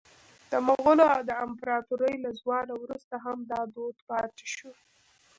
د مغولو د امپراطورۍ له زواله وروسته هم دا دود پاتې شو.